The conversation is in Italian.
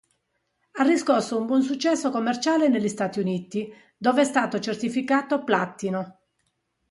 Ha riscosso un buon successo commerciale negli Stati Uniti, dove è stato certificato platino.